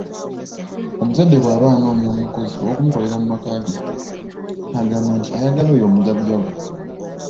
Omuzadde bw'aba anoonya omukozi ow'okumukolera mu maka ge agamba nti ,ayagala oyo omujagujagu.